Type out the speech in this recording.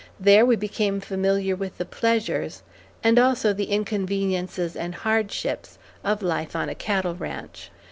There we became familiar with the pleasures, and also the inconveniences and hardships of life on a cattle ranch.